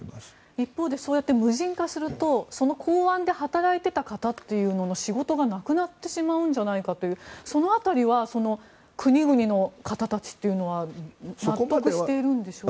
一方でそうやって無人化するとその港湾で働いていた方の仕事がなくなってしまうんじゃないかというその辺りは国々の方たちは納得しているんでしょうか？